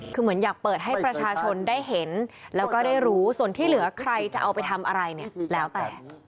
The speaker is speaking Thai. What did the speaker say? คือเหมือนอยากเปิดให้ประชาชนได้เห็นแล้วก็ได้รู้ส่วนที่เหลือใครจะเอาไปทำอะไรเนี่ยแล้วแต่